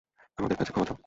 আমাদের কাছে ক্ষমা চাও!